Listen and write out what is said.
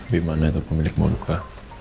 bimana itu pemilik mau luka